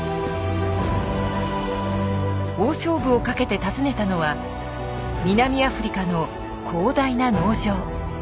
大勝負をかけて訪ねたのは南アフリカの広大な農場。